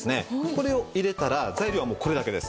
これを入れたら材料はもうこれだけです。